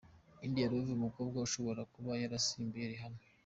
India Love, umukobwa ushobora kuba yarasimbuye Rihanna .